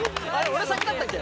俺先だったっけ？